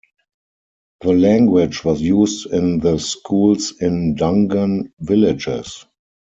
The language was used in the schools in Dungan villages.